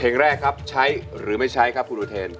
เพลงแรกครับใช้หรือไม่ใช้ครับคุณอุเทน